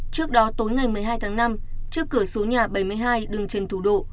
trước đó tối ngày một mươi hai tháng năm trước cửa số nhà bảy mươi hai đường trần thủ độ